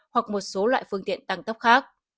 hoặc một số loại phương tiện tăng tốc khác